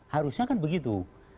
harusnya kan begitu